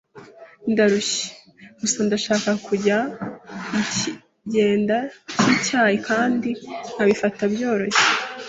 Ndarushye. Gusa ndashaka kujya mukigenda cyicyayi kandi nkabifata byoroshye.